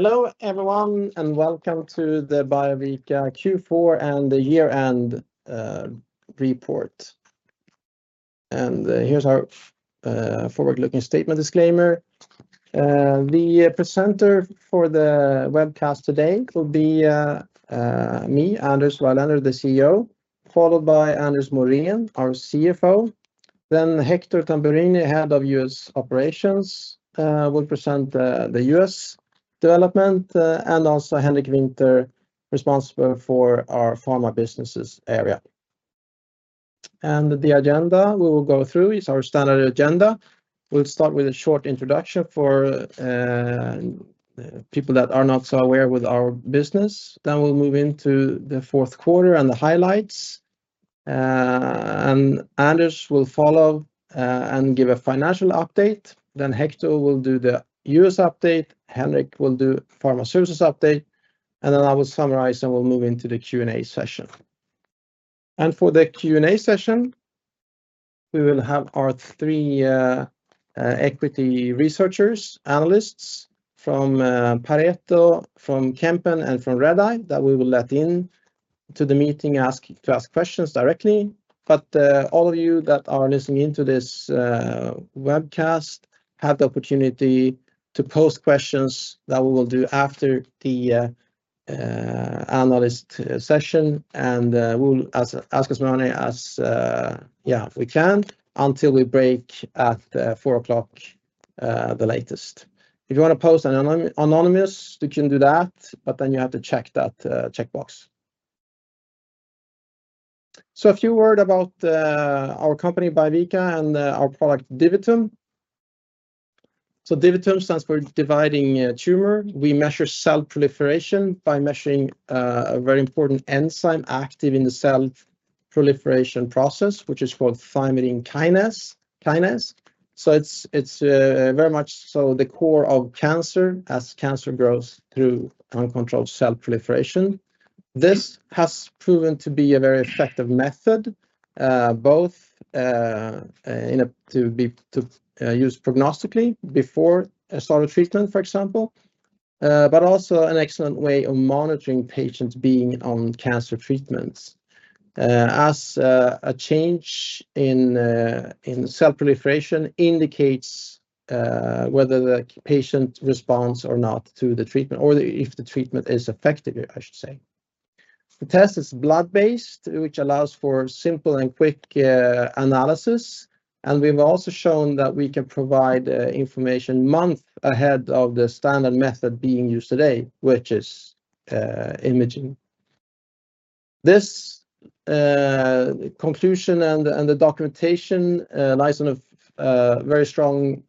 Hello everyone and welcome to the Biovica Q4 and the year-end report. Here's our forward-looking statement disclaimer. The presenter for the webcast today will be me, Anders Rylander, the CEO, followed by Anders Morén, our CFO. Then Hector Tamburini, head of U.S. Operations, will present the U.S. development and also Henrik Winther, responsible for our pharma services area. The agenda we will go through is our standard agenda. We'll start with a short introduction for people that are not so aware with our business. Then we'll move into the fourth quarter and the highlights and Anders will follow and give a financial update. Then Hector will do the U.S. update, Henrik will do pharma services update and then I will summarize and we'll move into the Q&A session. For the Q&A session we will have our three equity researchers, analysts from Pareto, from Kempen and from Red Eye that we will let in to the meeting to ask questions directly. But all of you that are listening into this webcast have the opportunity to post questions that we will do after the analyst session and we'll ask as many as yeah we can until we break at 4:00 P.M. the latest. If you want to post anonymous you can do that, but then you have to check that checkbox. So a few words about our company Biovica and our product DiviTum. So DiviTum stands for dividing tumor. We measure cell proliferation by measuring a very important enzyme active in the cell proliferation process, which is called thymidine kinase. So it's very much so the core of cancer. As cancer grows through uncontrolled cell proliferation. This has proven to be a very effective method, both to be to use prognostically before a solid treatment, for example, but also an excellent way of monitoring patients being on cancer treatments as a change in cell proliferation indicates whether the patient responds or not to the treatment or if the treatment is effective. I should say the test is blood-based, which allows for simple and quick analysis. We've also shown that we can provide information months ahead of the standard method being used today, which is imaging. This conclusion and the documentation lies on a few very strong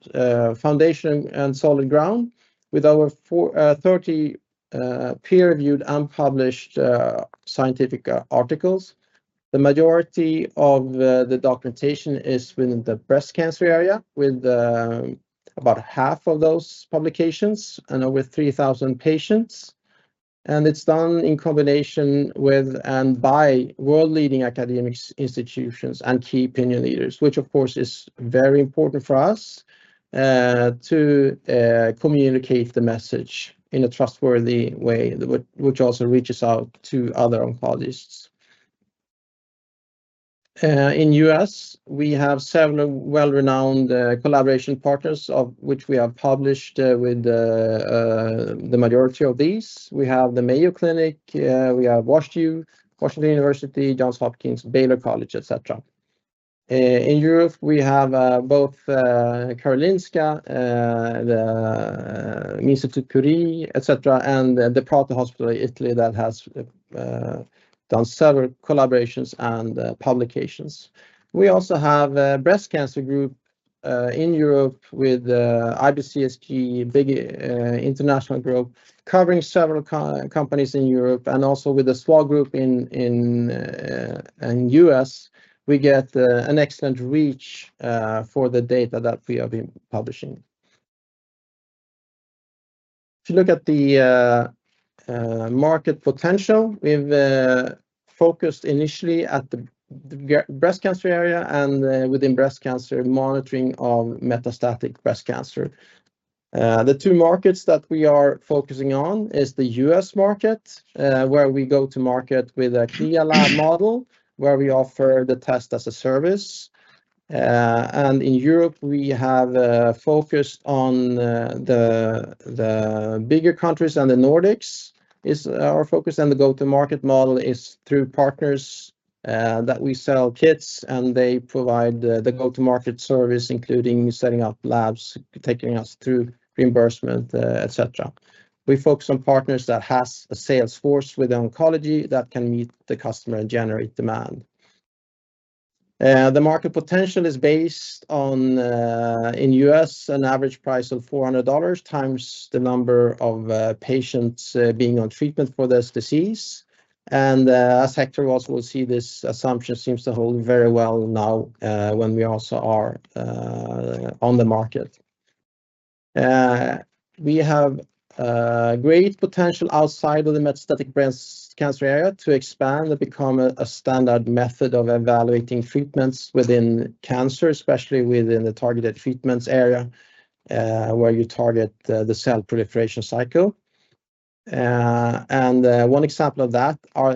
foundation and solid ground with over 30 peer-reviewed unpublished scientific articles. The majority of the documentation is within the breast cancer area with about half of those publications and over 3,000 patients. It's done in combination with and by world-leading academic institutions and key opinion leaders, which of course is very important for us to communicate the message in a trustworthy way, which also reaches out to other oncologists. In the U.S. we have several well-renowned collaboration partners of which we have published. With the majority of these we have the Mayo Clinic, we have WashU, Washington University, Johns Hopkins, Baylor College, et cetera. In Europe we have both Karolinska, the Institut Curie, et cetera. The Prato Hospital in Italy that has done several collaborations and publications. We also have a breast cancer group in Europe with IBCSG BIG international group covering several countries in Europe and also with the SWOG group in the U.S. we get an excellent reach for the data that we have been publishing. If you look at the market potential, we've focused initially at the breast cancer area and within breast cancer monitoring of metastatic breast cancer. The two markets that we are focusing on is the U.S. market where we go to market with a clear lab model where we offer the test as a service. And in Europe we have focused on the the bigger countries and the Nordics is our focus. And the go to market model is through partners that we sell kits and they provide the go to market service including setting up labs, taking us through reimbursement, etc. We focus on partners that has a sales force with oncology that can meet the customer and generate demand. The market potential is based on in the U.S. an average price of $400 times the number of patients being on treatment for this disease. As Hector also will see, this assumption seems to hold very well. Now when we also are on the market, we have great potential outside of the metastatic breast cancer area to expand and become a standard method of evaluating treatments within cancer, especially within the targeted treatments area where you target the cell proliferation cycle. And one example of that are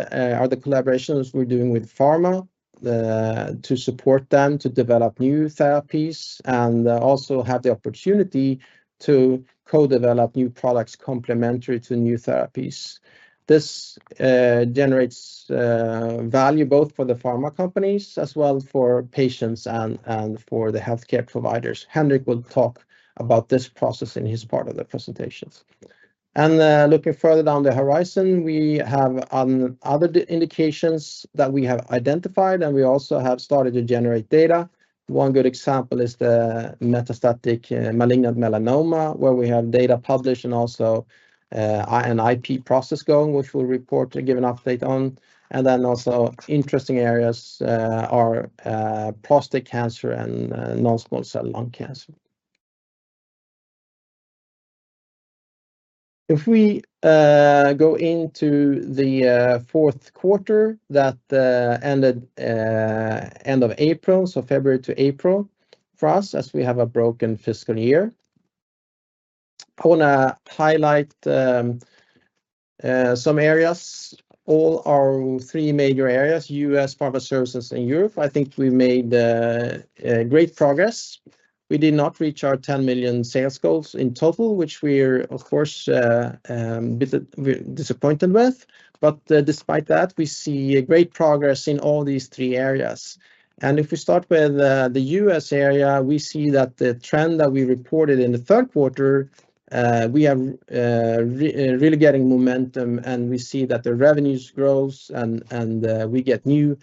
the collaborations we're doing with pharma to support them to develop new therapies and also have the opportunity to co-develop new products complementary to new therapies. This generates value both for the pharma companies as well for patients and for the healthcare providers. Henrik will talk about this process in his part of the presentation and looking further down the horizon, we have other indications that we have identified and we also have started to generate data. One good example is the metastatic malignant melanoma where we have data published and also an IP process going which will report to give an update on. Then also interesting areas are prostate cancer and non-small cell lung cancer. If we go into the fourth quarter that ended end of April, so February to April for us as we have a broken fiscal year, I want to highlight some areas. All our three major areas U.S., Pharma Services, and Europe, I think we made great progress. We did not reach our 10 million sales goals in total, which we're of course disappointed with. But despite that, we see great progress in all these three areas. If we start with the U.S. area, we see that the trend that we reported in the third quarter, we are really getting momentum and we see that the revenues grows and we get new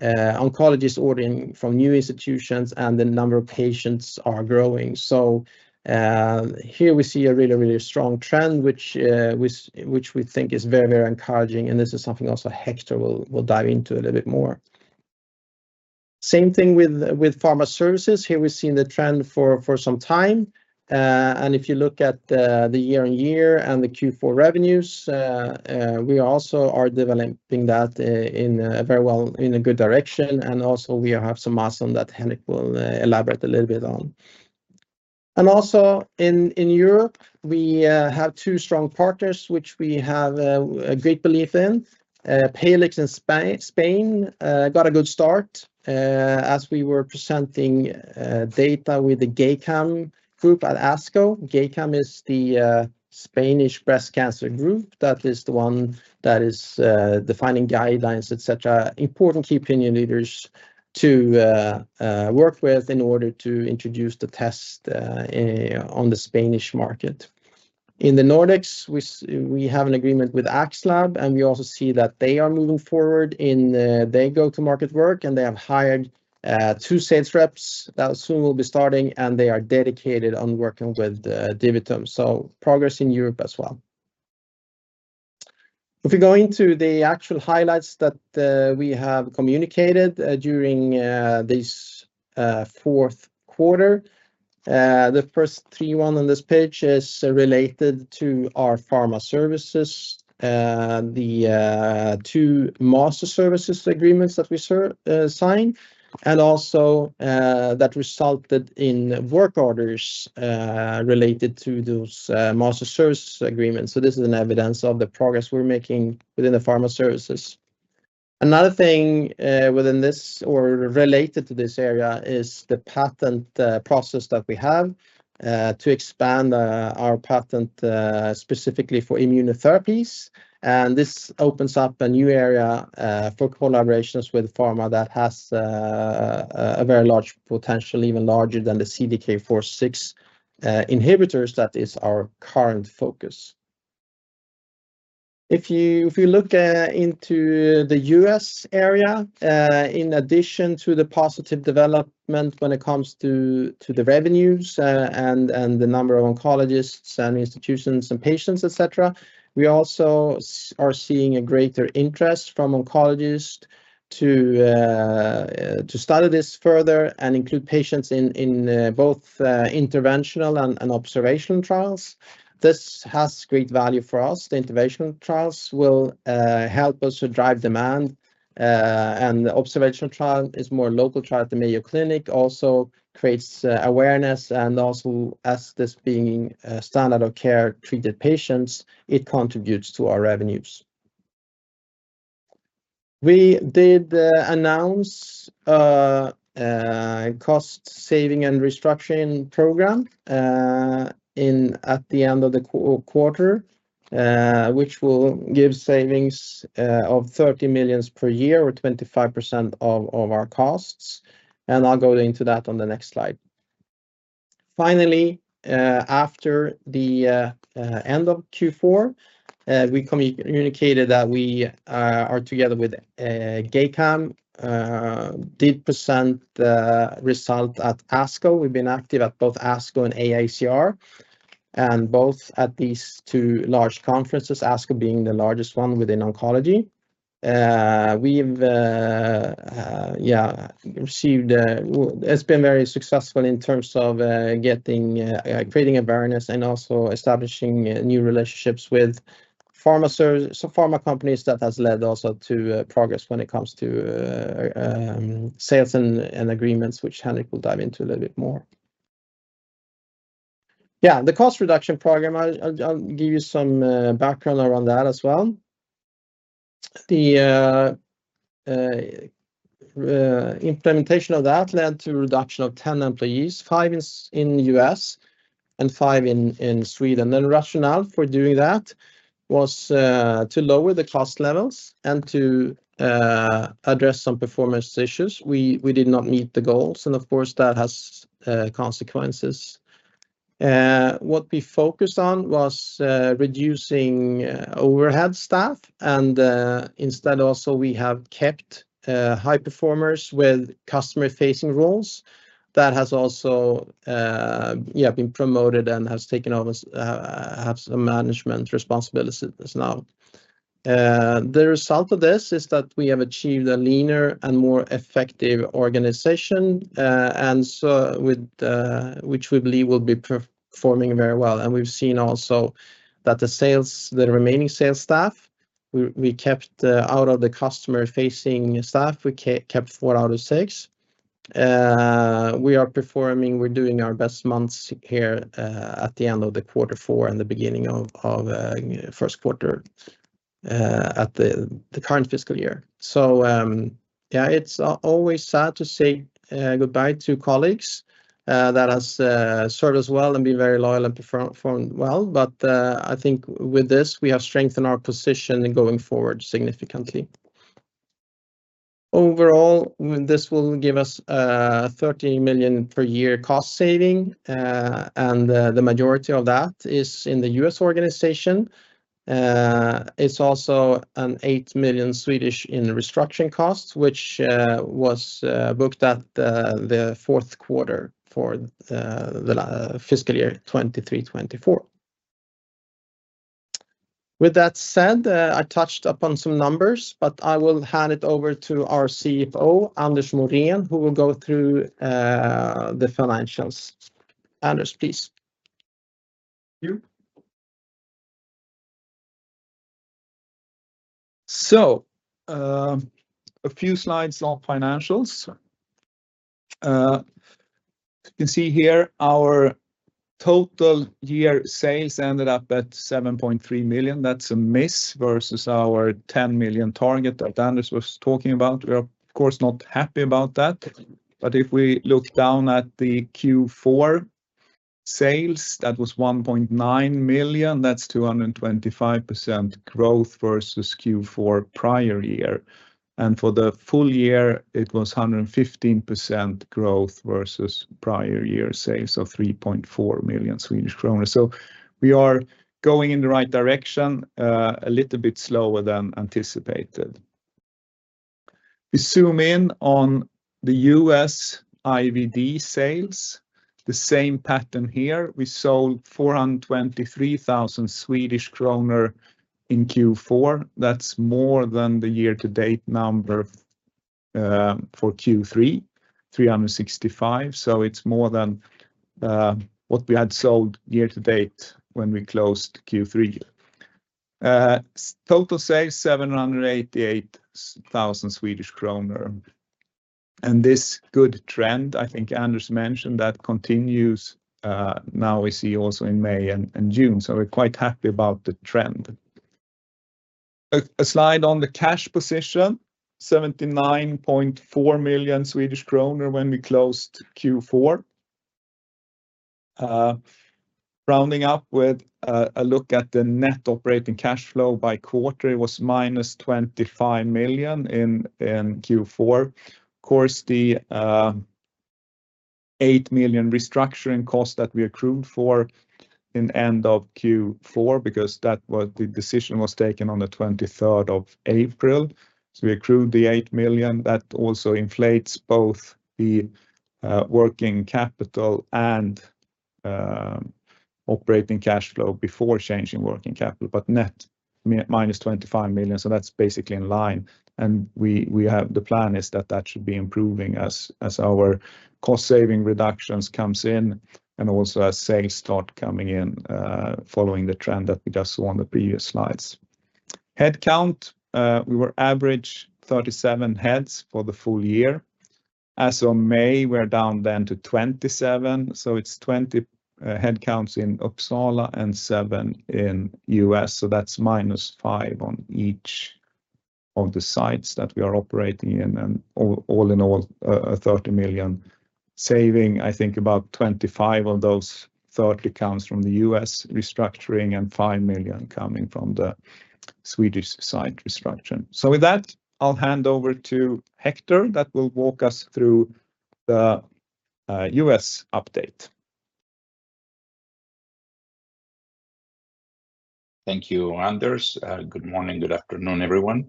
oncologists ordering from new institutions and the number of patients are growing. So here we see a really, really strong trend which we think is very, very encouraging. And this is something also Hector will dive into a little bit more. Same thing with pharma services here we've seen the trend for some time and if you look at the year-on-year and the Q4 revenues, we also are developing that in very well in a good direction. And also we have some milestone that Henrik will elaborate a little bit on. And also in Europe we have two strong partners which we have a great belief in. In Spain got a good start as we were presenting data with the GEICAM group at ASCO. GEICAM is the Spanish breast cancer group that is the one that is defining guidelines, etc., important key opinion leaders to work with in order to introduce the test on the Spanish market. In the Nordics we have an agreement with Axlab and we also see that they are moving forward in their go-to-market work and they have hired two sales reps that soon will be starting and they are dedicated on working with DiviTum. So progress in Europe as well. If we go into the actual highlights that we have communicated during this fourth quarter, the first three one on this page is related to our pharma services, the two master services agreements that we signed and also that resulted in work orders related to those master services agreements. So this is evidence of the progress we're making within the pharma services. Another thing within this or related to this area is the patent process that we have to expand our patent specifically for immunotherapies. This opens up a new area for collaborations with pharma that has a very large potential, even larger than the CDK4/6 inhibitors that is our current focus. If you look into the U.S. area, in addition to the positive development when it comes to the revenues and the number of oncologists and institutions and patients, et cetera, we also are seeing a greater interest from oncologists to study this further and include patients in both interventional and observational trials. This has great value for us. The interventional trials will help us to drive demand, and the observational trial is more local trial at the Mayo Clinic, also creates awareness, and also as this being standard of care treated patients, it contributes to our revenues. We did announce cost saving and restructuring program. At the end of the quarter, which will give savings of 30 million per year or 25% of our costs. I'll go into that on the next slide. Finally, after the end of Q4, we communicated that we are together with GEICAM did present the result at ASCO. We've been active at both ASCO and AACR and both at these two large conferences. ASCO being the largest one within oncology. We've yeah, received. It's been very successful in terms of getting creating awareness and also establishing new relationships with pharma. So pharma companies that has led also to progress when it comes to sales and agreements which Henrik does dive into a little bit more. Yeah, the cost reduction program, I'll give you some background around that as well. The implementation of that led to reduction of 10 employees, five in U.S. and five in Sweden. Rationale for doing that was to lower the cost levels and to address some performance issues. We did not meet the goals and of course that has consequences. What we focused on was reducing overhead staff and instead also we have kept high performers with customer facing roles. That has also been promoted and has taken over some management responsibilities. Now the result of this is that we have achieved a leaner and more effective organization which we believe will be performing very well. And we've seen also that the sales, the remaining sales staff we kept out of the customer facing staff. We kept 4 out of 6. We are performing, we're doing our best months here at the end of quarter four and the beginning of first quarter at the current fiscal year. So yeah, it's always sad to say goodbye to colleagues that has served us well and been very loyal and performed well. But I think with this we have strengthened our position going forward significantly. Overall this will give us 30 million per year cost saving and the majority of that is in the U.S. organization. It's also 8 million in restructuring costs which was booked at the fourth quarter for the fiscal year 2023/24. With that said, I touched upon some numbers but I will hand it over to our CFO Anders Morén, who will go through the financials. Anders, please. A few slides of financials. You can see here. Our total year sales ended up at 7.3 million. That's a miss versus our 10 million target that Anders was talking about. We are of course not happy about that. But if we look down at the Q4 sales, that was 1.9 million, that's 225% growth versus Q4 prior year. And for the full year it was 115% growth versus prior year sales of 3.4 million Swedish kronor. So we are going in the right direction a little bit slower than anticipated. We zoom in on the U.S. IVD sales. The same pattern here. We sold 423,000 Swedish kronor in Q4. That's more than the year to date number for Q3, 365,000. So it's more than what we had sold year to date. When we closed Q3 total sales 788,000 Swedish kronor. And this good trend, I think Anders mentioned that continues now we see also in May and June. So we're quite happy about the trend. A slide on the cash position. 79.4 million Swedish kronor. When we closed Q4 rounding up with a look at the net operating cash flow by quarter, it was minus 25 million in Q4. Of course, the 8 million restructuring cost that we accrued for in end of Q4 because that was. The decision was taken on the 23rd of April. So we accrued the 8 million. That also inflates both the working capital and operating cash flow before changing working capital. But net -25 million. So that's basically in line. And the plan is that that should be improving as our cost saving reductions comes in and also as sales start coming in following the trend that we just saw on the previous slides. Headcount, we were average 37 heads for the full year. As of May we're down then to 27. So it's 20 headcounts in Uppsala and seven in U.S. So that's -5 on each of the sites that we are operating. And all in all, 30 million saving. I think about 25 of those 30 comes from the U.S. restructuring and 5 million coming from the Swedish site restructuring. So with that I'll hand over to Hector that will walk us through the U.S. update. Thank you, Anders. Good morning. Good afternoon, everyone.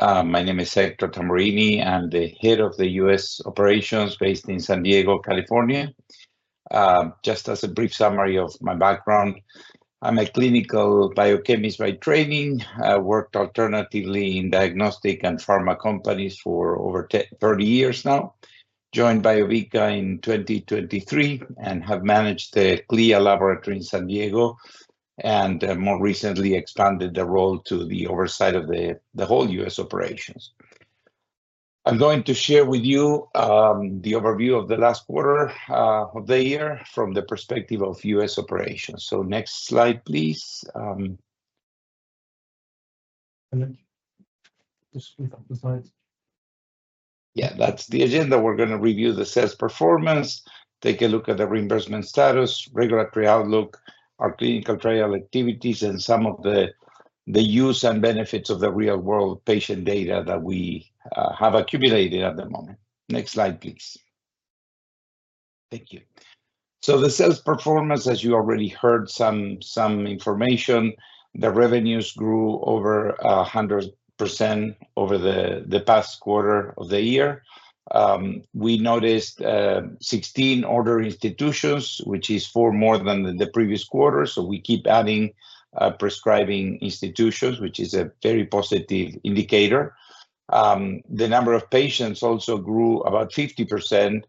My name is Hector Tamburini. I'm the head of the U.S. operations based in San Diego, California. Just as a brief summary of my background. I'm a clinical biochemist by training. Worked alternatively in diagnostic and pharma companies for over 30 years now joined Biovica in 2023 and have managed the CLIA laboratory in San Diego and more recently expanded the role to the oversight of the whole U.S. operations. I'm going to share with you the overview of the last quarter of the year from the perspective of U.S. operations. So next slide please. Yeah, that's the agenda. We're going to review the sales performance, take a look at the reimbursement status, regulatory outlook, our clinical trial activities and some of the use and benefits of the real world patient data that we have accumulated at the moment. Next slide please. Thank you. The sales performance, as you already heard some information, the revenues grew over 100% over the past quarter of the year. We noticed 16 ordering institutions, which is four more than the previous quarter. We keep adding prescribing institutions, which is a very positive indicator. The number of patients also grew about 50%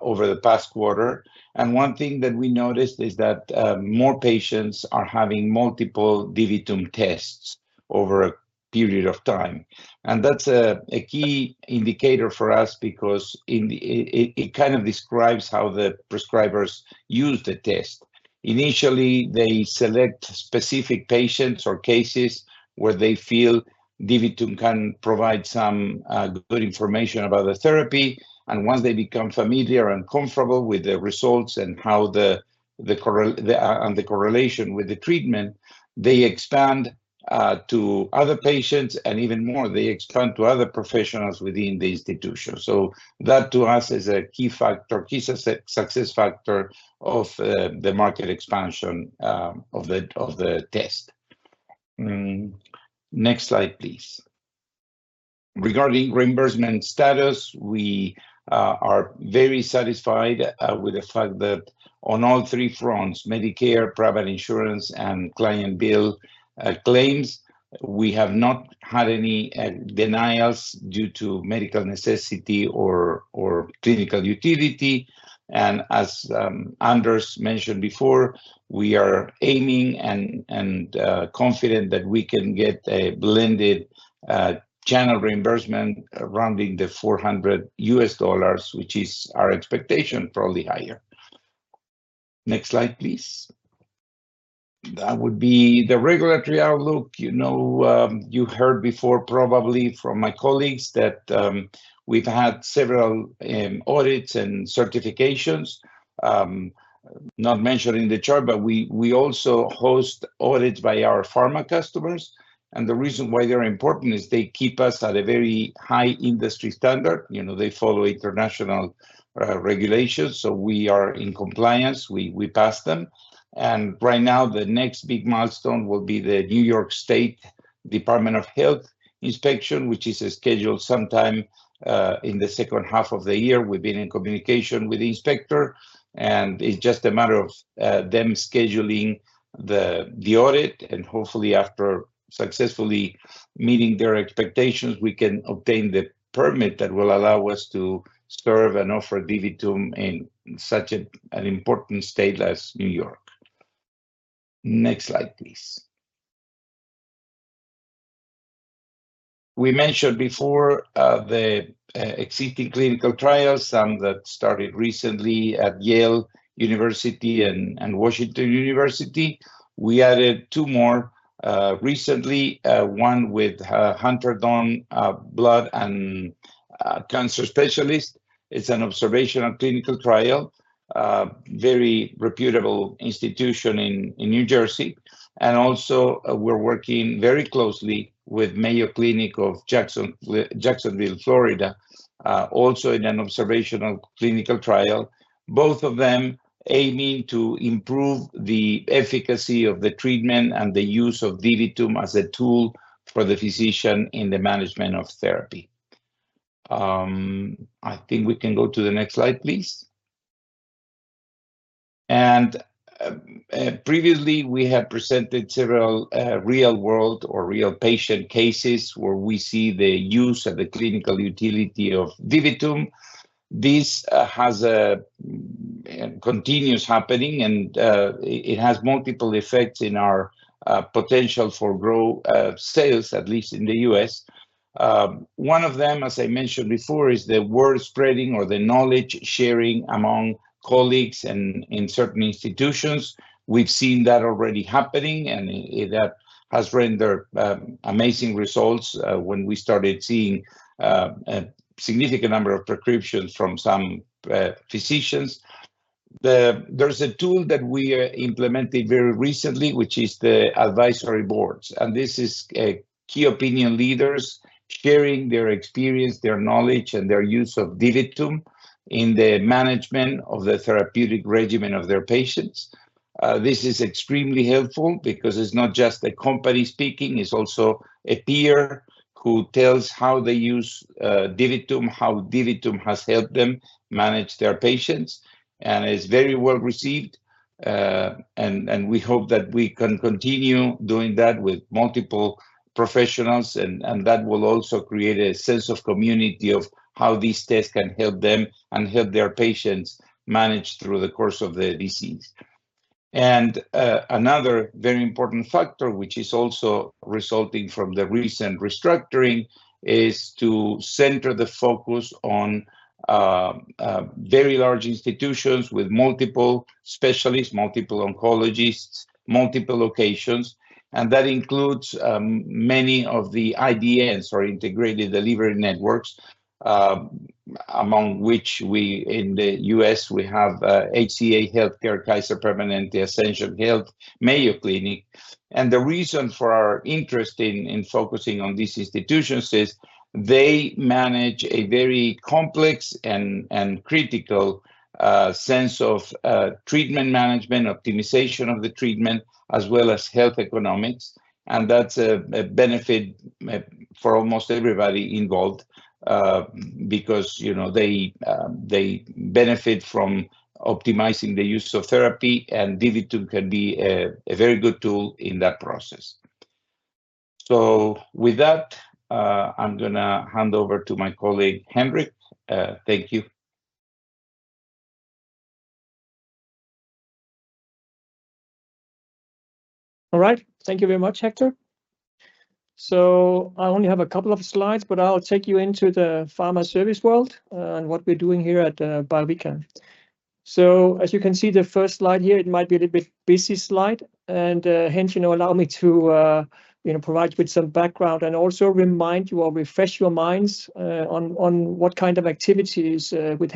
over the past quarter. One thing that we noticed is that more patients are having multiple DiviTum tests over a period of time. That's a key indicator for us because it kind of describes how the prescribers use the test. Initially, they select specific patients or cases where they feel DiviTum can provide some good information about the therapy. And once they become familiar and comfortable with the results and the correlation with the treatment, they expand to other patients and even more they expand to other professionals within the institution. So that to us is a key factor, key success factor of the market, expansion of the test. Next slide please. Regarding reimbursement status, we are very satisfied with the fact that on all three fronts, Medicare, private insurance and client bill claims, we have not had any denials due to medical necessity or clinical utility. And as Anders mentioned before, we are aiming and confident that we can get a blended channel reimbursement around the $400, which is our expectation, probably higher. Next slide please. That would be the regulatory outlook. You know, you heard before, probably from my colleagues that we've had several audits and certifications not mentioned in the chart, but we also host audits by our pharma customers. The reason why they're important is they keep us at a very high industry standard. They follow international regulations, so we are in compliance. We pass them. Right now the next big milestone will be the New York State Department of Health inspection, which is scheduled sometime in the second half of the year. We've been in communication with the inspector and it's just a matter of them scheduling the audit. Hopefully after successfully meeting their expectations, we can obtain the permit that will allow us to serve and offer DiviTum in such an important state as New York. Next slide, please. We mentioned before the existing clinical trials, some that started recently at Yale University and Washington University. We added two more recently, one with Hunterdon, blood and cancer specialist. It's an observational clinical trial, very reputable institution in New Jersey. Also, we're working very closely with Mayo Clinic of Jacksonville, Florida, also in an observational clinical trial, both of them aiming to improve the efficacy of the treatment and the use of DiviTum as a tool for the physician in the management of therapy. I think we can go to the next slide, please. Previously, we have presented several real-world or real patient cases where we see the use of the clinical utility of DiviTum. This continues happening and it has multiple effects in our potential to grow sales, at least in the U.S. One of them, as I mentioned before, is the word spreading or the knowledge sharing among colleagues in certain institutions. We've seen that already happening and that has rendered amazing results when we started seeing a significant number of prescriptions from some physicians. There's a tool that we implemented very recently, which is the advisory boards, and this is key opinion leaders sharing their experience, their knowledge and their use of DiviTum in the management of the therapeutic regimen of their patients. This is extremely helpful because it's not just a company speaking, it's also a peer who tells how they use DiviTum, how DiviTum has helped them manage their patients and is very well received. We hope that we can continue doing that with multiple professionals that will also create a sense of community, of how these tests can help them and help their patients manage through the course of the disease. Another very important factor which is also resulting from the recent restructuring is to center the focus on very large institutions with multiple specialists, multiple oncologists, multiple locations. That includes many of the IDNs, or integrated delivery networks, among which, in the U.S. we have HCA Healthcare, Kaiser Permanente, Ascension Health, Mayo Clinic. The reason for our interest in focusing on these institutions is they manage a very complex and critical sense of treatment management, optimization of the treatment, as well as health economics. That's a benefit for almost everybody involved because they benefit from optimizing the use of therapy. DV2 can be a very good tool in that process. With that, I'm going to hand over to my colleague, Henrik. Thank you. All right, thank you very much, Hector. So I only have a couple of slides, but I'll take you into the pharma service world and what we're doing here at Biovica. So as you can see, the first slide here, it might be a little bit busy. And hence, you know, allow me to, you know, provide you with some background and also remind you or refresh your minds on what kind of activities we'd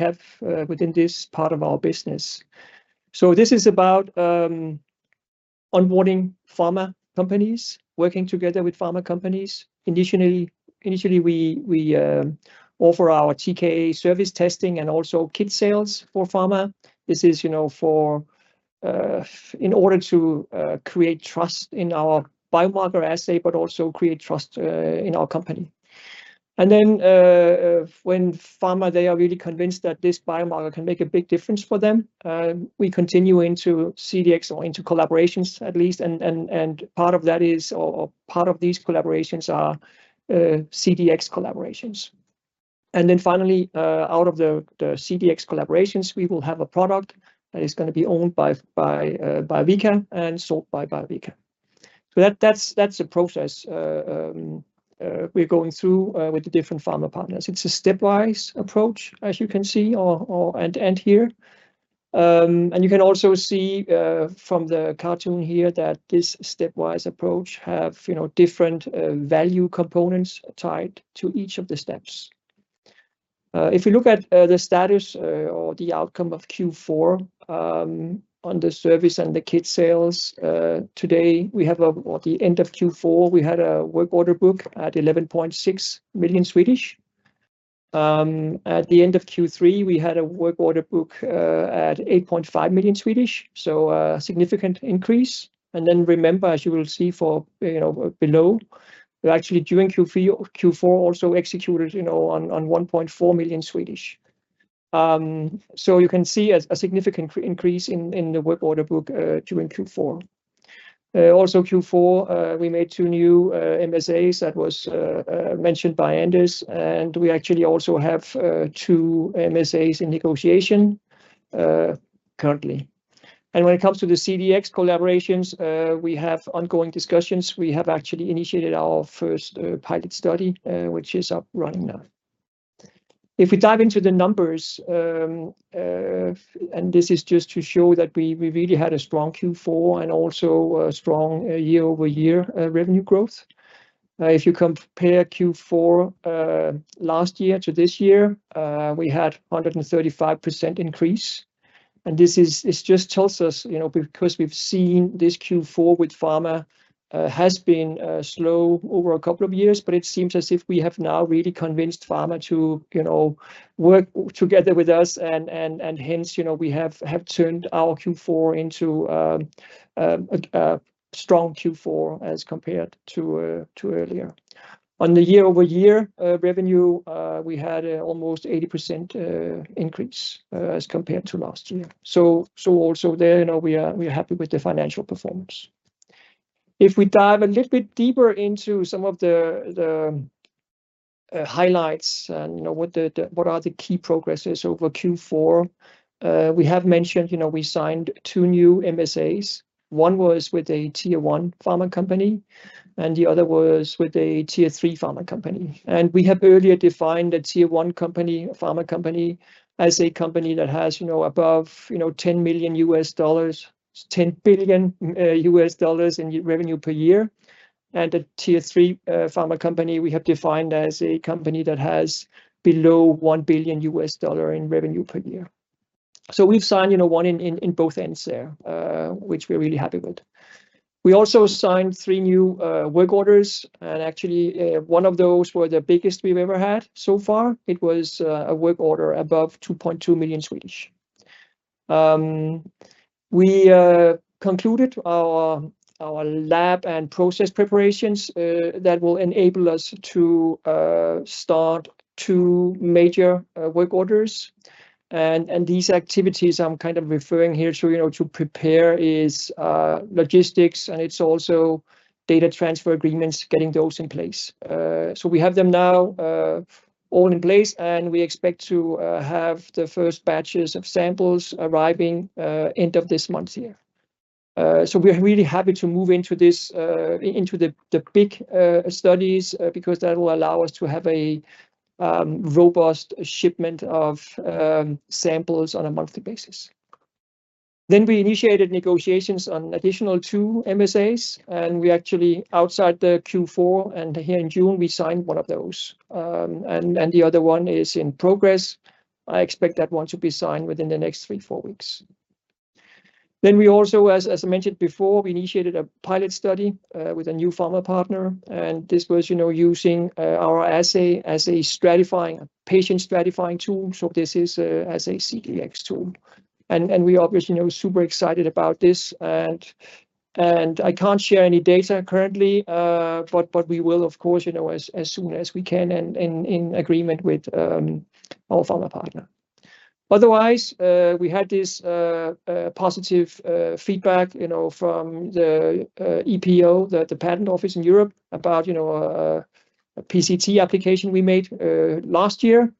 within this part of our business. So this is about onboarding pharma companies, working together with pharma companies. Initially we offer our TKa service testing and also kit sales for pharma. This is, you know, for in order to create trust in our biomarker assay, but also create trust in our company. And then when pharma, they are really convinced that this biomarker can make a big difference for them, we continue into CDx or into collaborations at least. And part of that is, or part of these collaborations are CDx collaborations. And then finally out of the CDx collaborations, we will have a product that is going to be owned by Biovica and sold by Biovica. So that's the process we're going through with the different pharma partners. It's a stepwise approach, as you can see or end to end here. And you can also see from the cartoon here that this stepwise approach have different value components tied to each of the steps. If you look at the status or the outcome of Q4 on the service and the kit sales today, we have at the end of Q4 we had a work order book at 11.6 million. At the end of Q3, we had a work order book at 8.5 million. So, significant increase. And then remember, as you will see, you know, below, actually during Q3, Q4 also executed, you know, on 1.4 million. So you can see a significant increase in the work order book during Q4. Also, Q4 we made two new MSAs that was mentioned by Anders and we actually also have two MSAs in negotiation currently. And when it comes to the CDx collaborations, we have ongoing discussions. We have actually initiated our first pilot study which is up running now. If we dive into the numbers. And this is just to show that we really had a strong Q4 and also strong year-over-year revenue growth. If you compare Q4 last year to this year, we had 135% increase. And this is, this just tells us, you know, because we've seen this Q4 with pharma has been slow over a couple of years, but it seems as if we have now really convinced pharma to, you know, work work together with us. And hence, you know, we have have turned our Q4 into strong Q4 as compared to earlier on, the year-over-year revenue, we had almost 80% increase as compared to last year. So also there, you know, we are, we are happy with the financial performance. If we dive a little bit deeper into some of the highlights and you know, what the, what are the key progresses over Q4. We have mentioned, you know, we signed two new MSAs. One was with a Tier 1 pharma company and the other was with a Tier 3 pharma company. We have earlier defined a Tier 1 pharma company as a company that has, you know, above $10 billion in revenue per year. A Tier 3 pharma company we have defined as a company that has below $1 billion in revenue per year. So we've signed, you know, one in both ends there, which we're really happy with. We also signed three new work orders and actually one of those were the biggest we've ever had so far. It was a work order above 2.2 million. We concluded our lab and process preparations that will enable us to start two major work orders. These activities I'm kind of referring here to prepare is logistics and it's also data transfer agreements, getting those in place. So we have them now all in place, and we expect to have the first batches of samples arriving end of this month here. So we are really happy to move into this, into the big studies because that will allow us to have a robust shipment of samples on a monthly basis. Then we initiated negotiations on additional two MSAs, and we actually, outside the Q4 and here in June, we signed one of those, and the other one is in progress. I expect that one to be signed within the next three, four weeks. Then we also, as I mentioned before, we initiated a pilot study with a new pharma partner. And this was, you know, using our assay as a stratifying, patient stratifying tool. So this is as a CDx tool and we obviously know, super excited about this and I can't share any data currently, but we will of course, you know, as soon as we can and in agreement with our pharma partner. Otherwise we had this positive feedback, you know, from the EPO, the patent office in Europe, about, you know, a PCT application we made last year.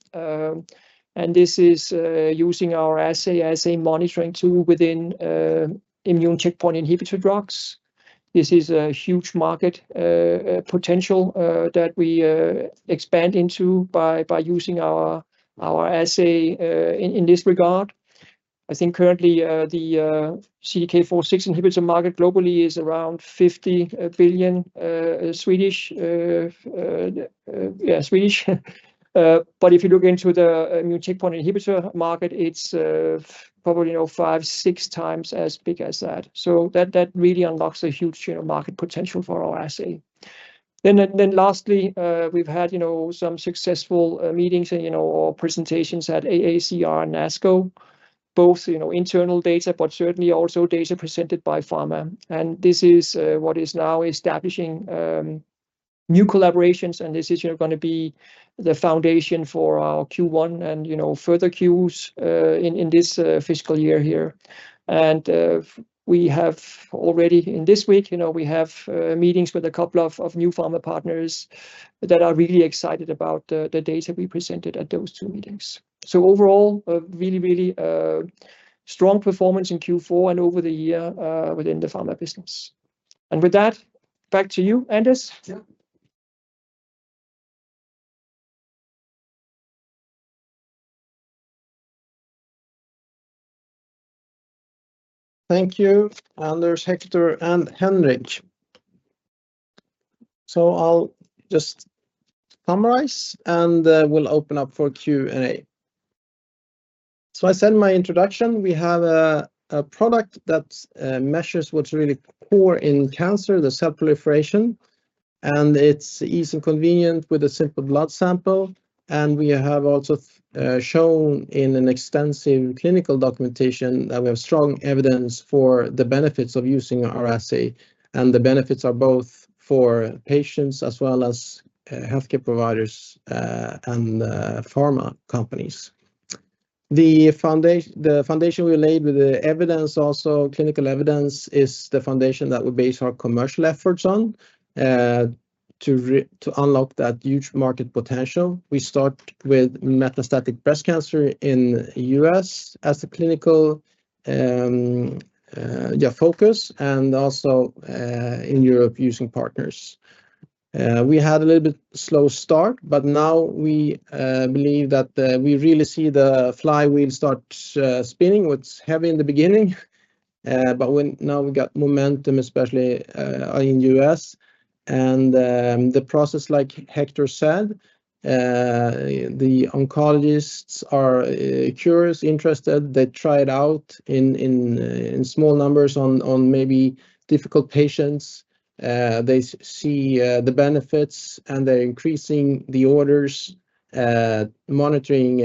And this is using our assay monitoring tool within immune checkpoint inhibitor drugs. This is a huge market potential that we expand into by using our assay in this regard. I think currently the CDK4/6 inhibitor market globally is around SEK 50 billion. Yeah, Swedish. But if you look into the immune checkpoint inhibitor market, it's probably, you know, 5-6 times as big as that. So that really unlocks a huge enormous market potential for our assay. Then lastly, we've had some successful meetings or presentations at AACR and ASCO, both internal data, but certainly also data presented by pharma. This is what is now establishing new collaborations. This is going to be the foundation for our Q1 and further Qs in this fiscal year here. We have already in this week, you know, we have meetings with a couple of new pharma partners that are really excited about the data we presented at those two meetings. So overall, really, really strong performance in Q4 and over the year within the pharma business. With that, back to you and. Thank you, Anders, Hector, and Henrik. So I'll just summarize and we'll open up for Q&A. So I said in my introduction. We have a product that measures what's really core in cancer, the cell proliferation. And it's easy and convenient with a simple blood sample. And we have also shown in an extensive clinical documentation that we have strong evidence for the benefits of using the assay. And the benefits are both for patients as well as healthcare providers and pharma companies. The foundation we laid with the evidence, also clinical evidence, is the foundation that we base our commercial efforts on to unlock that huge market potential. We start with metastatic breast cancer in the U.S. as a clinical focus and also in Europe, using partners. We had a little bit slow start, but now we believe that we really see the flywheel start spinning. What's heavy in the beginning, but when now we've got momentum, especially in the U.S. and the process. Like Hector said, the oncologists are curious, interested. They try it out in small numbers on maybe difficult patients. They see the benefits and they're increasing the orders, monitoring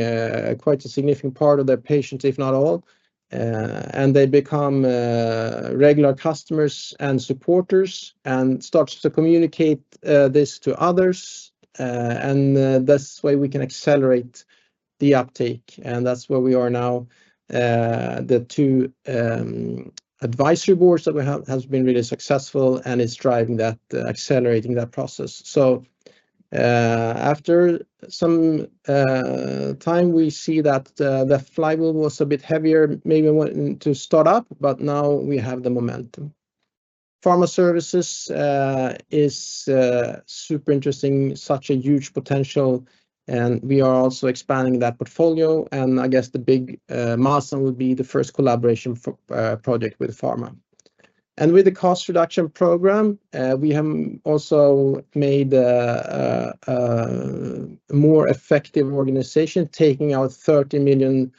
quite a significant part of their patients, if not all. And they become regular customers and supporters and starts to communicate this to others. And this way we can accelerate the uptake. And that's where we are now. The two advisory boards that we have has been really successful and it's driving that, accelerating that process. So after some time we see that the flywheel was a bit heavier maybe to start up, but now we have the momentum. Pharma Services is super interesting, such a huge potential. And we are also expanding that portfolio. I guess the big milestone will be the first collaboration project with Pharma and with the cost reduction program. We have also made more effective organization, taking out 30 million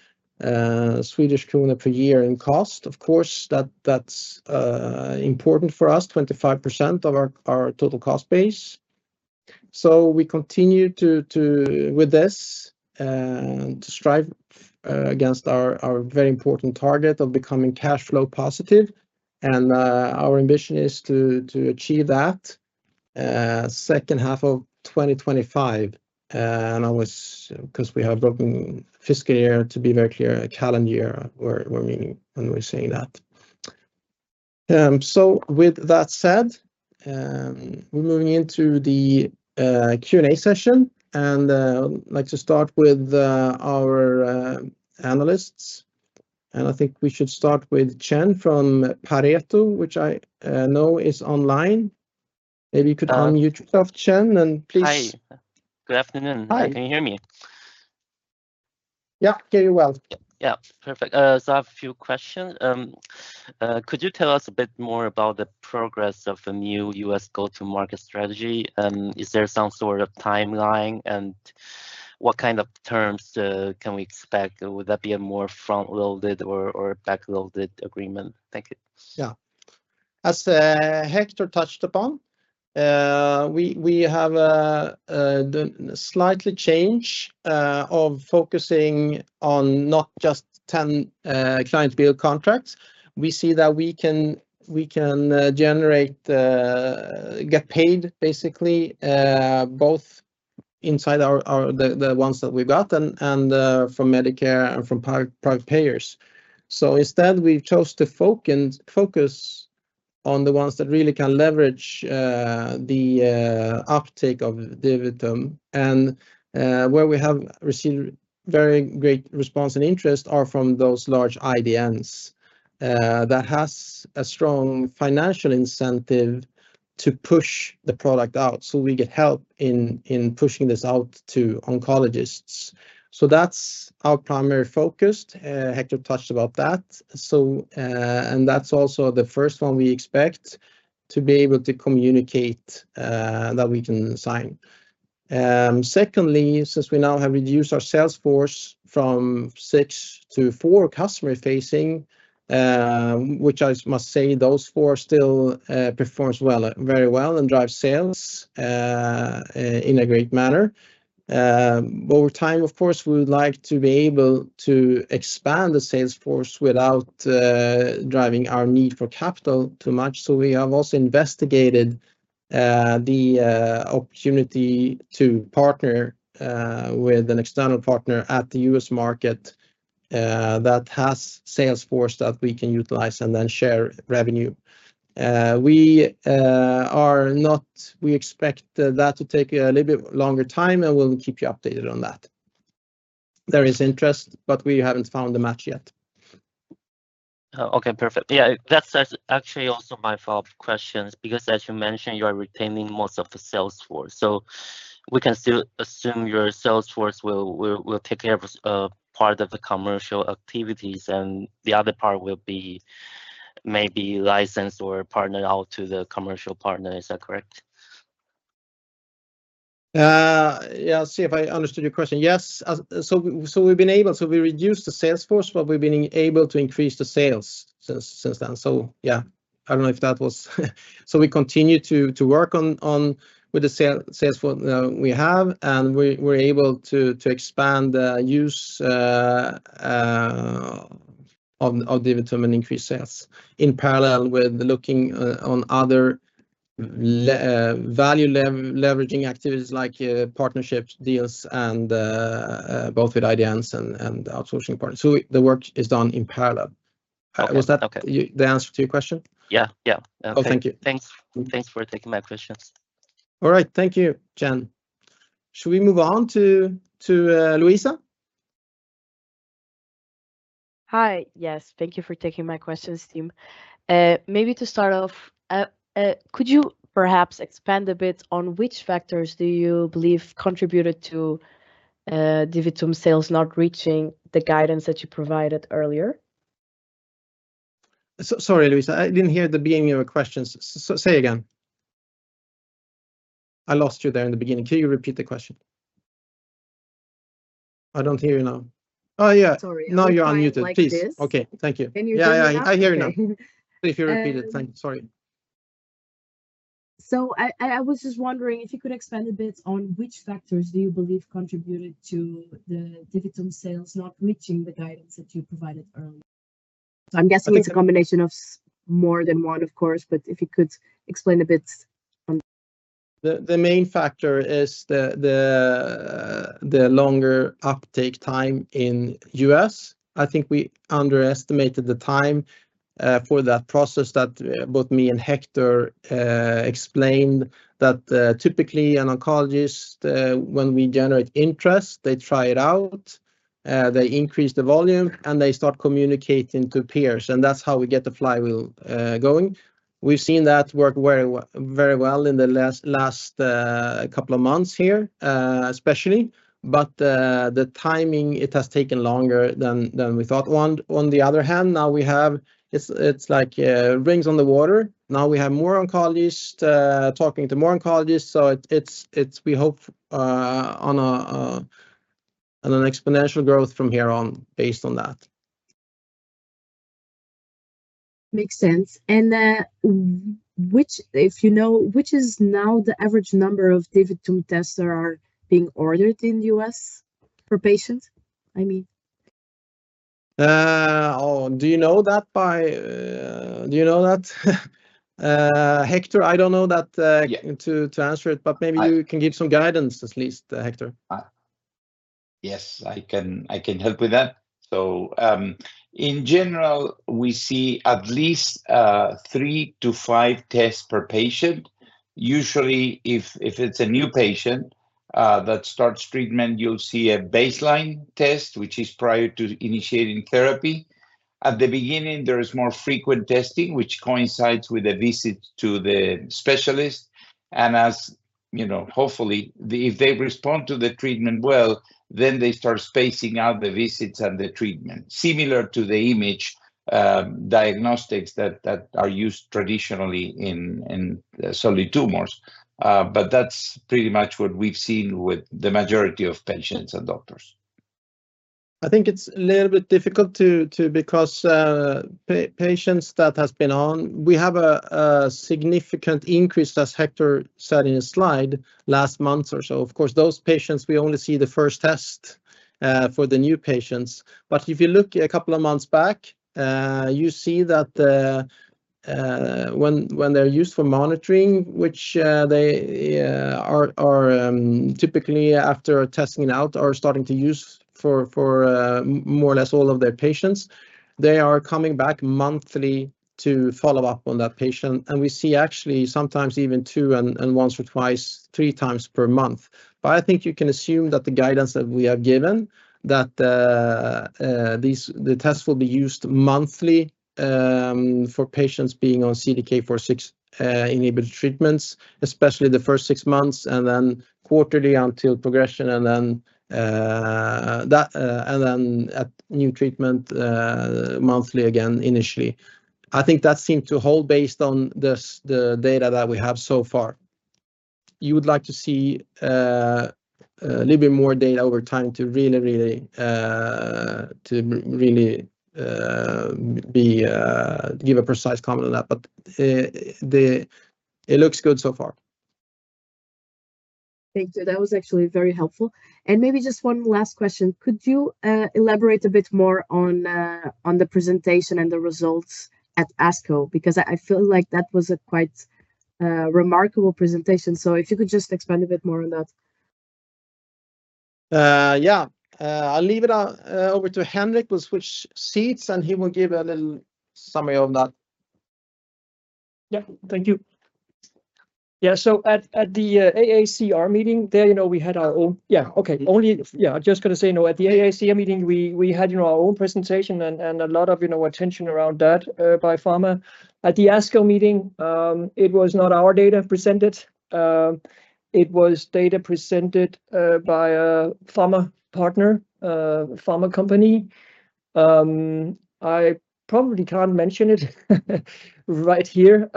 Swedish kronor per year in cost. Of course, that that's important for us. 25% of our total cost base. So we continue to with this to strive against our very important target of becoming cash flow positive. And our ambition is to achieve that second half of 2025. And I was. Because we have broken fiscal year to be very clear, a calendar year. We're meaning when we're saying that. So with that said we're moving into the Q&A session and like to start with our analysts and I think we should start with Dan from Pareto which I know is online. Maybe you could unmute yourself Dan and please. Hi, good afternoon. Can you hear me? Yeah, very well. Yeah, perfect. I have a few questions. Could you tell us a bit more about the progress of the new U.S. go-to-market strategy? Is there some sort of timeline and what kind of terms can we expect? Would that be a more front-loaded or backloaded agreement? Thank you. Yeah. As Hector touched upon, we have a slight change of focusing on not just 10 client bill contracts. We see that we can generate and get paid basically both inside the ones that we've gotten and from Medicare and from private, private payers. So instead we've chosen to focus on the ones that really can leverage the uptake of DiviTum and where we have received very great response and interest are from those large IDNs that have a strong financial incentive to push the product out. So we get help in pushing this out to oncologists. So that's our primary focus. Hector touched about that and that's also the first one we expect to be able to communicate that we can sign. Secondly, since we now have reduced our sales force from six to four customer facing, which I must say those four still performs well, very well, and drive sales in a great manner, over time of course we would like to be able to expand the sales force without driving our need for capital too much. So we have also investigated the opportunity to partner with an external partner at the U.S. market that has sales force that we can utilize and then share revenue. We are not. We expect that to take a little bit longer time and we'll keep you updated on that. There is interest but we haven't found the match yet. Okay, perfect. Yeah, that's actually also my follow up question because as you mentioned you are retaining most of the sales force. So we can still assume your sales force will take care of part of the commercial activities and the other part will be maybe licensed or partnered out to the commercial partner. Is that correct? let me see if I understood your question. Yes, so. So we've been able to reduce the salesforce but we've been able to increase the sales since then. So yeah, I don't know if that was. So we continue to work on with the sales force we have and we're able to expand the use of DiviTum, increase sales in parallel with looking on other value leveraging activities like partnerships, deals and both with IDNs and outsourcing partners. So the work is done in parallel. Was that the answer to your question? Yeah. Yeah. Oh, thank you. Thanks for taking my questions. All right, thank you, Dan. Should we move on to Luisa? Hi. Yes, thank you for taking my questions, Team. Maybe to start off, could you perhaps expand a bit on which factors do you believe contributed to DiviTum sales not reaching the guidance that you provided earlier? Sorry, Luísa, I didn't hear the beginning of your questions. Say again? I lost you there in the beginning. Can you repeat the question? I don't hear you now. Oh, yeah, now you're unmuted. Please. Okay, thank you. Yeah, I hear you now. If you repeat it. Thank you. Sorry. So I was just wondering if you could expand a bit on which factors do you believe contributed to the DiviTum sales not reaching the guidance that you provided earlier. So I'm guessing it's a combination of more than one. Of course. But if you could explain a bit. The main factor is the longer uptake time in the U.S. I think we underestimated the time for that process that both me and Hector explained that typically an oncologist, when we generate interest, they try it out, they increase the volume and they start communicating to peers. And that's how we get the flywheel going. We've seen that work very, very well in the last couple of months here especially. But the timing, it has taken longer than we thought. On the other hand, now we have. It's like rings on the water. Now we have more oncologists talking to more oncologists. So we hope on an exponential growth from here on. Based on that. Makes sense. If you know which is now the average number of DiviTum tests there are being ordered in the U.S. for patients, I mean. Oh, do you know that by? Do you know that, Hector? I don't know that to answer it, but maybe you can give some guidance at least, Hector? Yes, I can help with that. So in general, we see at least 3-5 tests per patient. Usually if it's a new patient that starts treatment, you'll see a baseline test which is prior to initiating therapy. At the beginning, there is more frequent testing which coincides with a visit to the specialist, hopefully if they respond to the treatment well, then they start spacing out the visits and the treatment similar to the image diagnostics that are used traditionally in solid tumors. But that's pretty much what we've seen with the majority of patients and doctors. I think it's a little bit difficult to. Because patients that has been on. We have a significant increase, as Hector said in his slide last month or so. Of course, those patients, we only see the first test for the new patients. But if you look a couple of months back, you see that when they're used for monitoring, which they are typically after testing it out or starting to use for more or less all of their patients, they are coming back monthly to follow up on that patient. And we see actually sometimes even two and once or twice, three times per month. But I think you can assume that the guidance that we have given that these, the tests will be used monthly for patients being on CDK4/6 inhibitor treatments, especially the first six months, and then quarterly until progression and then that and then a new treatment monthly. Again, initially, I think that seemed to hold. Based on this, the data that we have so far. You would like to see a little bit more data over time to really, really, to really be give a precise comment on that. But it looks good so far. Thank you. That was actually very helpful. And maybe just one last question. Could you elaborate a bit more on the presentation and the results at ASCO? Because I feel like that was a quite remarkable presentation. So if you could just expand a bit more on that. Yeah, I'll leave it over to Henrik. We'll switch seats and he will give a little summary of that. Yeah, thank you. Yeah, so at the AACR meeting there, you know, we had our own. Yeah, okay. Only, yeah, just going to say no. At the AACR meeting, we had, you know, our own presentation and a lot of, you know, attention around that by pharma. At the ASCO meeting, it was not our data presented. It was data presented by a pharma partner pharma company. I probably can't mention it right here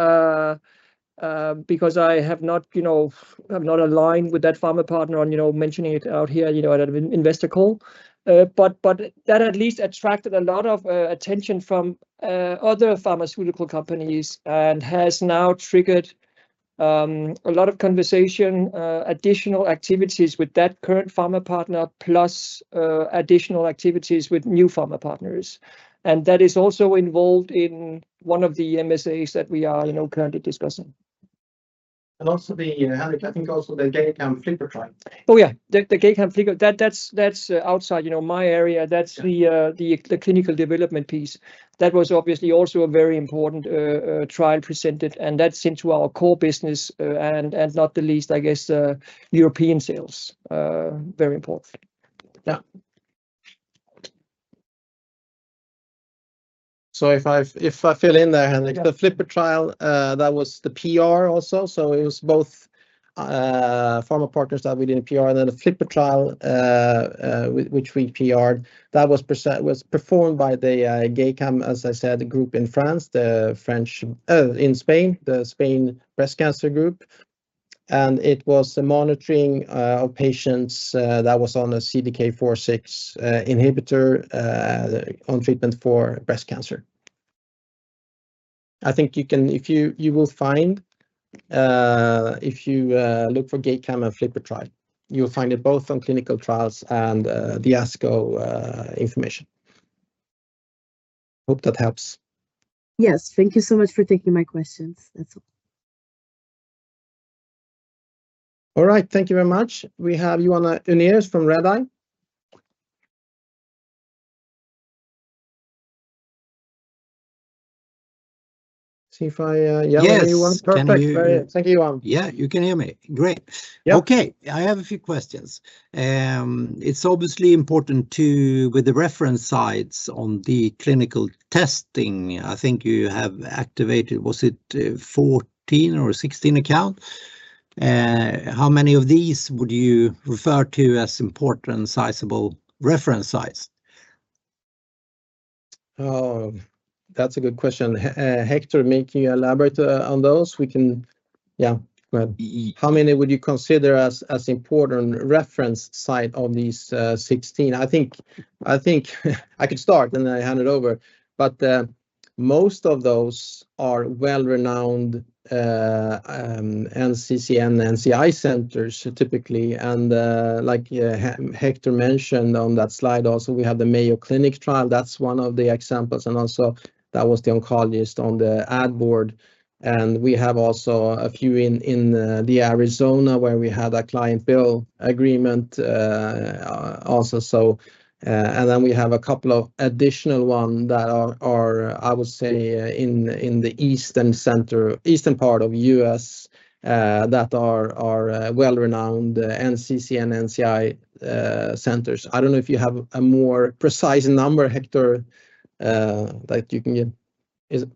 because I have not, you know, have not aligned with that pharma partner on, you know, mentioning it out here, you know, at an investor call. But that at least attracted a lot of attention from other pharmaceutical companies and has now triggered a lot of conversation, additional activities with that current pharma partner, plus additional activities with new pharma partners and that is also involved in one of the MSAs that we are, you know, currently discussing and also the. I think also the GEICAM FLIPPER trial. Oh yeah, the GEICAM FLIPPER. That's outside, you know, my area. That's the clinical development piece. That was obviously also a very important trial presented and that's into our core business and not the least, I guess European sales. Very important. Yeah. So if I fill in there, Henrik, the FLIPPER trial, that was the PR also. So it was both pharma partners that we didn't PR. And then the FLIPPER trial which we PR that was presented was performed by the GEICAM, as I said, the group in Spain. The Spanish breast cancer group. And it was the monitoring of patients that was on a CDK4/6 inhibitor on treatment for breast cancer. I think you can. You will find. If you look for GEICAM and FLIPPER trial, you'll find it both on clinical trials and the ASCO information. Hope that helps. Yes, thank you so much for taking my questions. That's all. All right. Thank you very much. We have Johan Unnerus from Red Eye. See if I yell. Perfect, thank you. Yeah, you can hear me. Great. Okay. I have a few questions. It's obviously important too, with the reference sites on the clinical testing. I think you have activated, was it 14 or 16 accounts? How many of these would you refer to as important? Sizable reference sites? That's a good question. Hector may elaborate on those. We can. Yeah. How many would you consider as important reference site? Of these 16, I think. I think I could start and then I hand it over. But most of those are well renowned NCCN, NCI centers typically. And like Hector mentioned on that slide, also we have the Mayo Clinic trial. That's one of the examples. And also that was the oncologist on the advisory board. And we have also a few in Arizona where we had a client billing agreement also. So. And then we have a couple of additional one that are. I would say in the east and central eastern part of the U.S. that are well renowned NCCN and NCI centers. I don't know if you have a more precise number, Hector, that you can give.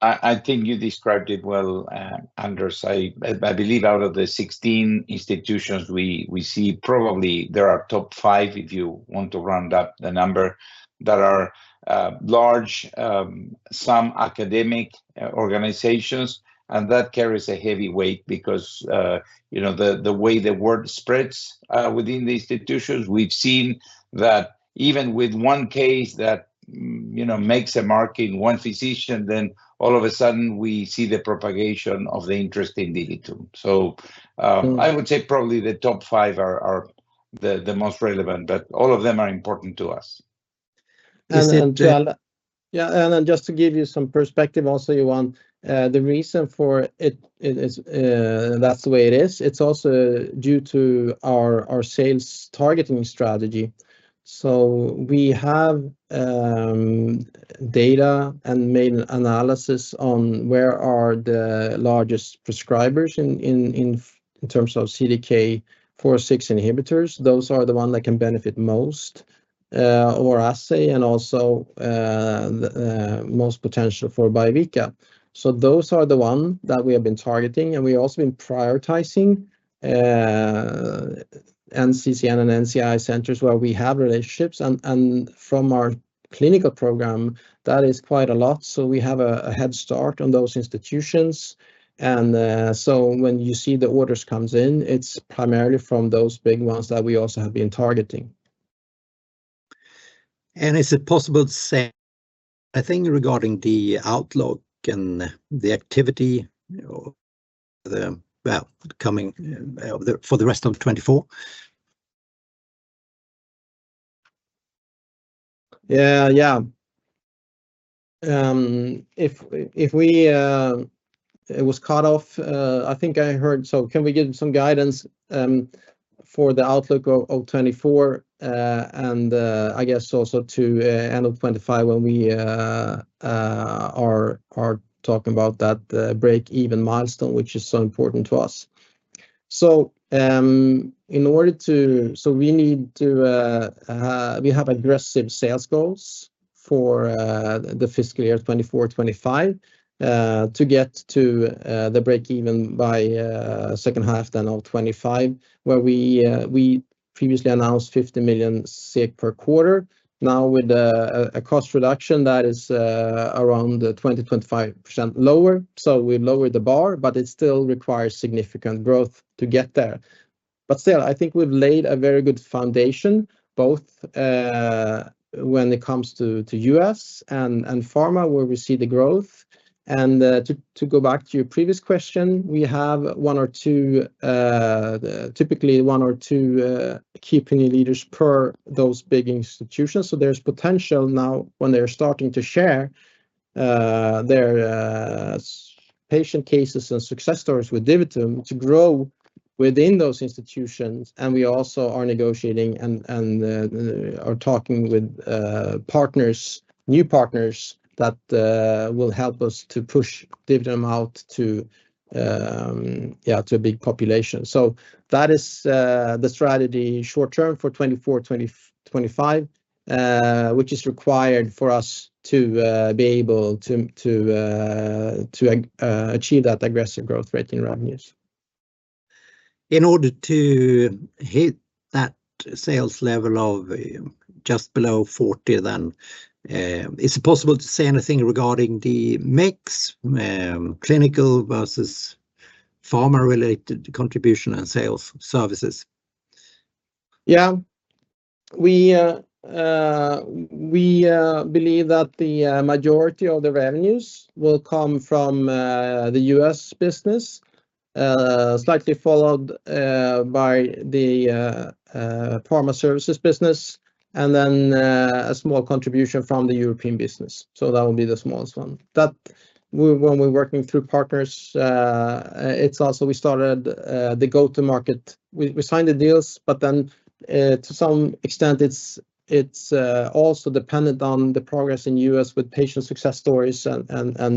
I think you described it well, Anders. I believe out of the 16 institutions we see probably there are five if you want to round up the number that are large, some academic organizations. That carries a heavy weight because, you know, the way the word spreads within the institutions. We've seen that even with one case that, you know, makes a mark in 1 physician, then all of a sudden we see the propagation of the interest in DD2. So I would say probably the top five are the most relevant but all of them are important to us. Yeah. And then just to give you some perspective also you want the reason for it is that's the way it is. It's also due to our sales targeting strategy. So we have data and made an analysis on where are the largest prescribers in terms of CDK4/6 inhibitors. Those are the one that can benefit most our assay and also most potential for Biovica. So those are the one that we have been targeting and we've also been prioritizing NCCN and NCI centers where we have relationships and from our clinical program that is quite a lot. So we have a head start on those institutions. And so when you see the orders comes in it's primarily from those big ones that we also have been targeting. Is it possible to say, I think, regarding the outlook and the activity for the rest of 2024? Yeah, yeah. If it was cut off. I think I heard. So can we give some guidance for the outlook of 2024 and I guess also to end of 2025 when we are talking about that break-even milestone which is so important to us. So in order to, we need to have aggressive sales goals for the fiscal year 2024-2025 to get to the break-even by second half of 2025 where we previously announced 50 million SEK per quarter now with a cost reduction that is around 20-25% lower. So we lowered the bar. But it still requires significant growth to get there. But still I think we've laid a very good foundation both when it comes to U.S. and pharma where we see the growth. And to go back to your previous question, we have one or two, typically one or two company leaders per those big institutions. So there's potential now when they're starting to share their patient cases and success stories with DiviTum to grow within those institutions. And we also are negotiating and are talking with partners, new partners that will help us to push DiviTum out to a big population. So that is the strategy short-term for 2024-2025, which is required for us to be able to achieve that aggressive growth rate in revenues. In order to hit that sales level of just below 40. Then is it possible to say anything regarding the mix, clinical versus pharma-related contribution and sales services? Yeah, we believe that the majority of the revenues will come from the U.S. business, slightly followed by the pharma services business, and then a small contribution from the European business. So that will be the smallest one, that when we're working through partners, it's also. We started the go to market, we signed the deals. But then to some extent it's also dependent on the progress in U.S. with patient success stories and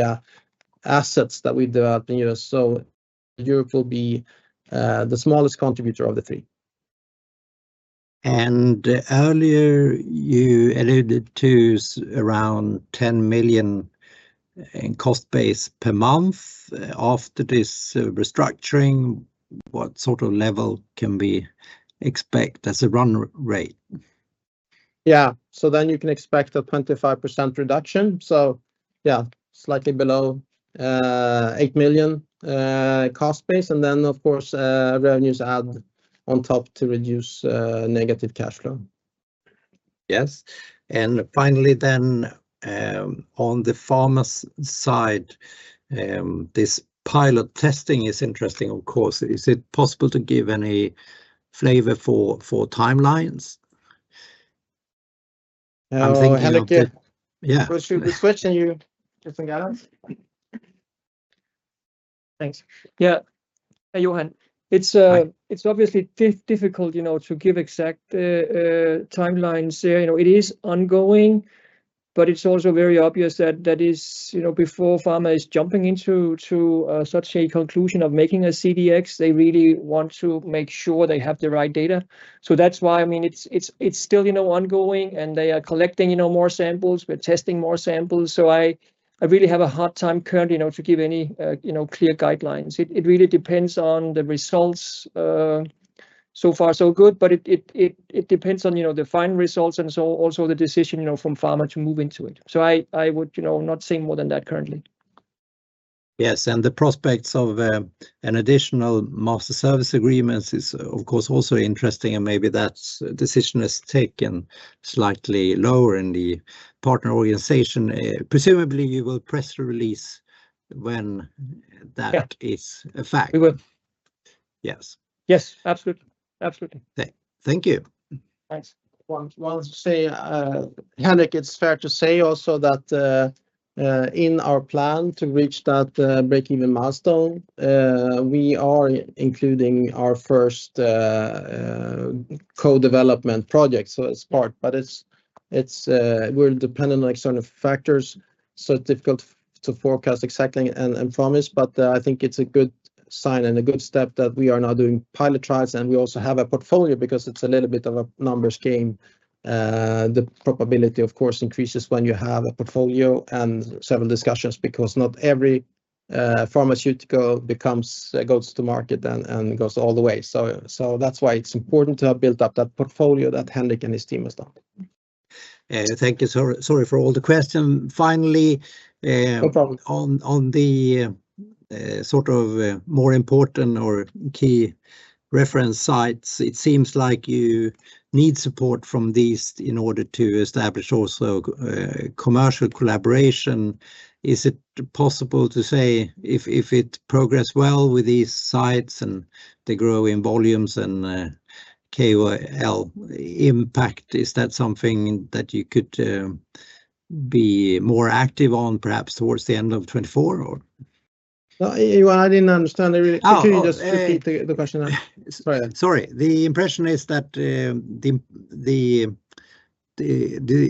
yeah. Assets that we developed in U.S. So Europe will be the smallest contributor of the three. Earlier you alluded to around 10 million in cost base per month after this restructuring. What sort of level can we expect as a run rate? Yeah, so then you can expect a 25% reduction. So yeah, slightly below 8 million cost base. And then of course revenues add on top to reduce negative cash flow. Yes. Finally then on the pharma side, this pilot testing is interesting. Of course. Is it possible to give any flavor for timelines? Yeah. Thanks. Yeah, Johan, it's obviously difficult, you know, to give exact timelines. You know, it is ongoing. But it's also very obvious that before pharma is jumping into such a conclusion of making a CDx, they really want to make sure they have the right data. So that's why, I mean, it's still, you know, ongoing and they are collecting, you know, more samples, we're testing more samples. So I really have a hard time currently not to give any, you know, clear guidelines. It really depends on the results. So far so good. But it depends on, you know, the final results. And so also the decision, you know, from Pharma to move into it. So I would, you know, not seeing more than that currently. Yes. The prospects of an additional Master Services Agreement is of course also interesting, and maybe that decision is slightly lower in the partner organization. Presumably, you will issue a press release when that is a fact. Yes, yes, absolutely, absolutely. Thank you. Thanks. Henrik. It's fair to say also that in our plan to reach that breakeven milestone, we are including our first co-development project. So it's part, but it's. We're dependent on external factors, so it's difficult to forecast exactly and promise. But I think it's a good sign and a good step that we are now doing pilot trials and we also have a portfolio because it's a little bit of a numbers game. The probability of course increases when you have a portfolio and several discussions because not every pharmaceutical becomes. Goes to market and goes all the way. So that's why it's important to have built up that portfolio that Henrik and his team. Thank you. Sorry for all the questions. Finally, on the sort of more important or key reference sites, it seems like you need support from these in order to establish also commercial collaboration. Is it possible to say if it progress well with these sites and they grow in volumes and KOL impact, is that something that you could be more active on perhaps towards the end of 2024 or. No, I didn't understand the question, sorry. The impression is that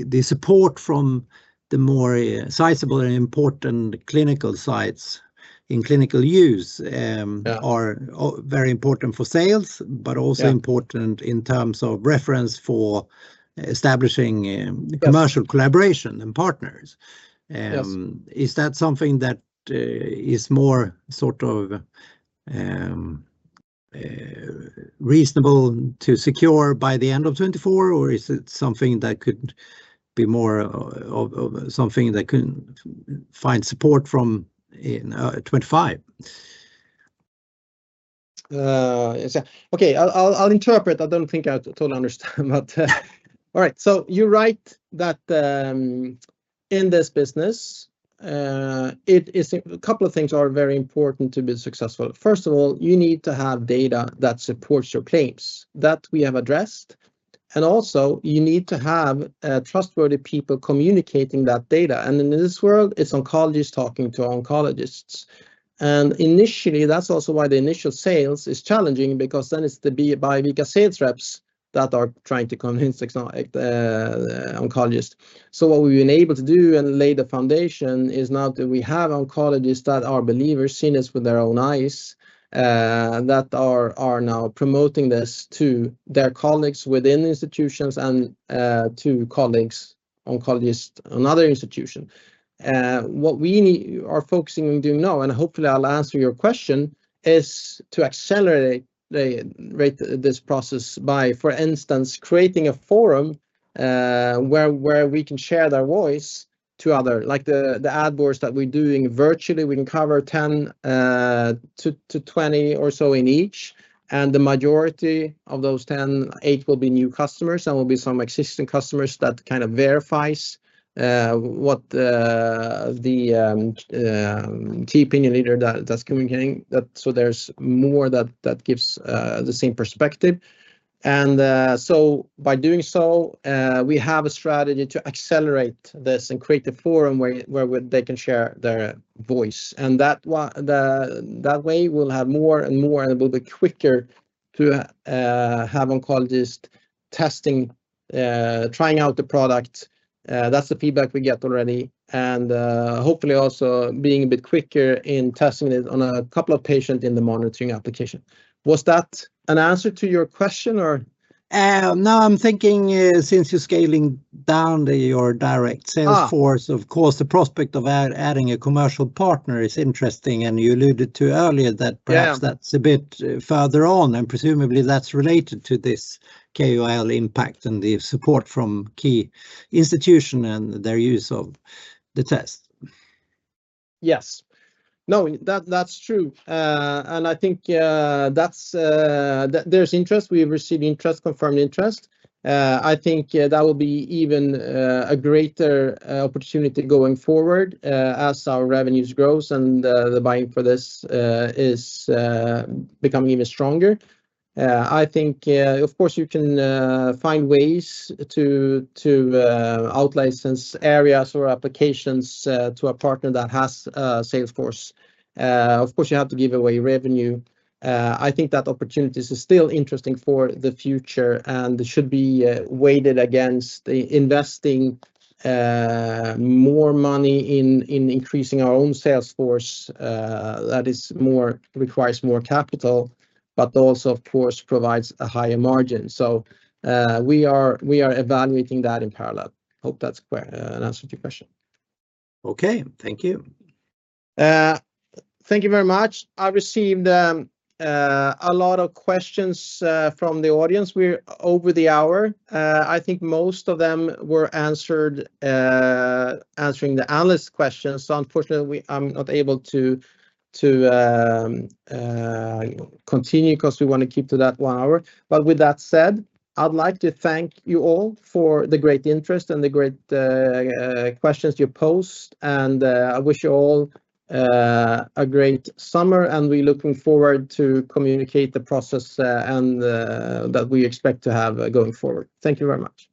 the support from the more sizable and important clinical sites in clinical use are very important for sales, but also important in terms of reference for establishing commercial collaboration and partners. Is that something that is more sort of reasonable to secure by the end of 2024 or is it something that could be more of something that couldn't find support from in 2025? Okay, I'll interpret. I don't think I totally understand, but. All right, so you write that in this business a couple of things are very important to be successful. First of all, you need to have data that supports your claims that we have addressed. And also you need to have trustworthy people communicating that data. And in this world, it's oncologists talking to oncologists. And initially that's also why the initial sales is challenging, because then it's the Biovica sales reps that are trying to convince oncologists. So what we've been able to do and lay the foundation is now that we have oncologists that are believers seeing us with their own eyes, that are now promoting this to their colleagues within institutions and to colleagues oncologists, another institution. What we are focusing on doing now, and hopefully I'll answer your question, is to accelerate this process by, for instance, creating a forum where we can share their voice to other like the ad boards that we're doing virtually. We can cover 10-20 or so in each. And the majority of those 10, eight will be new customers and will be some existing customers. That kind of verifies what the key opinion leader that's communicating that so there's more that that gives the same perspective. And so by doing so, we have a strategy to accelerate this and create a forum where they can share their voice and that that way we'll have more and more and it will be quicker to have oncologists testing, trying out the product. That's the feedback we get already and hopefully also being a bit quicker in testing it on a couple of patients in the monitoring application. Was that an answer to your question or no? I'm thinking, since you're scaling down your direct sales force, of course the prospect of adding a commercial partner is interesting, and you alluded to earlier that perhaps that's a bit further on, and presumably that's related to this KOL impact and the support from key institution and their use of the test. Yes, no, that's true. I think that's, that there's interest. We've received interest, confirmed interest. I think that will be even a greater opportunity going forward as our revenues grows and the buying for this is becoming even stronger. I think of course you can find ways to out-license areas or applications to a partner that has sales force. Of course you have to give away revenue. I think that opportunities is still interesting for the future and should be weighed against investing more money in increasing our own sales force. That more requires more capital but also of course provides a higher margin. So we are evaluating that in parallel. Hope that's an answer to your question. Okay, thank you. Thank you very much. I received a lot of questions from the audience. We're over the hour. I think most of them were answered answering the analyst questions. So unfortunately I'm not able to continue because we want to keep to that one hour. But with that said, I'd like to thank you all for the great interest and the great questions you posed and I wish you all a great summer and we're looking forward to communicate the process that we expect to have going forward. Thank you very much.